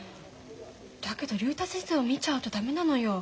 だけど竜太先生を見ちゃうと駄目なのよ。